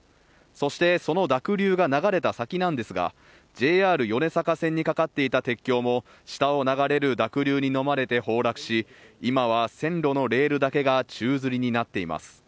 そして、その濁流が流れた先なんですが、ＪＲ米坂線に架かっていた鉄橋も下を流れる濁流にのまれて崩落し今は線路のレールだけが宙づりになっています。